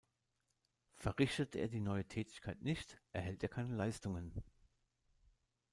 Verrichtet er die „neue“ Tätigkeit nicht, erhält er keine Leistungen.